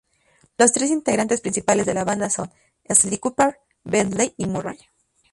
Los tres integrantes principales de la banda son Sly Cooper, Bentley y Murray.